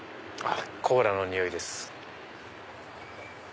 コーラの匂いです。